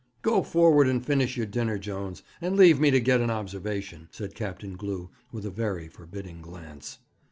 'Go forward and finish your dinner, Jones, and leave me to get an observation,' said Captain Glew, with a very forbidding glance.